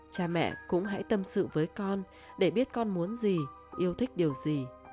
cha mẹ cũng hãy tâm sự với con để biết con muốn gì yêu thích điều gì